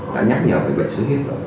đã nhắc nhở về bệnh suy biết rồi